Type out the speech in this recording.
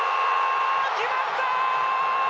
決まった！